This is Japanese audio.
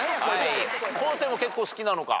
昴生も結構好きなのか。